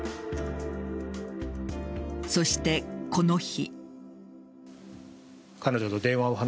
そして、この日。